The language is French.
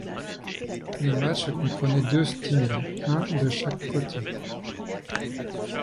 Le match comprenait deux Stings; un de chaque côté.